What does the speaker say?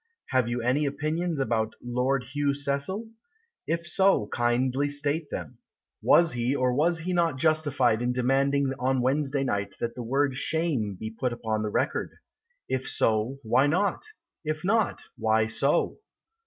Have you any opinions about Lord Hugh Cecil? If so, Kindly state them. Was he or was he not justified in demanding On Wednesday night That the word "Shame" Be put upon the record? If so, why not? If not, why so?